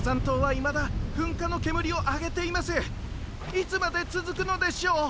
いつまでつづくのでしょう！